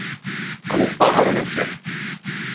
Como un pájaro en el cielo